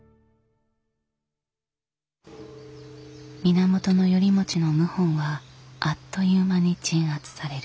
源頼茂の謀反はあっという間に鎮圧される。